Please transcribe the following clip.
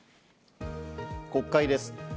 国会です。